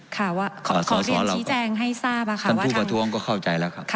ค่ะว่าขอเรียนชี้แจงให้ทราบท่านพูดประท้วงก็เข้าใจแล้วครับ